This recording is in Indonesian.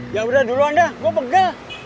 ya udah dulu anda gue pegal